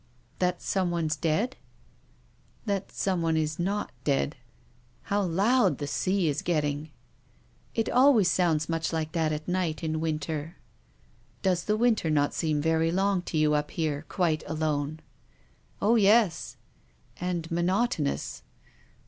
" That someone's dead ?"" That someone is not dead. How loud the sea is getting !"" It always sounds much like that at night in winter." " Does the winter not seem very long to you up here quite alone ?" "Oh, yes." "Anrl monotonous?"